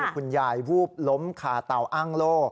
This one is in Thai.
คุณยายวูบล้มคาเตาอ้างโลก